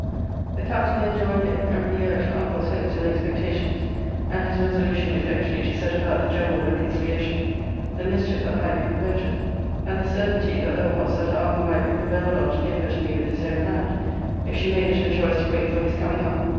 The Captain then joined in, and re urged her uncle's hopes and expectations, and his resolution effectually to set about the general reconciliation; the mischief that might be prevented; and the certainty that there was that her uncle might be prevailed on to give her to me with his own hand, if she made it her choice to wait for his coming up.